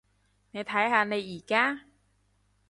你睇下你而家？